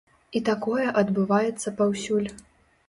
І такое адбываецца паўсюль.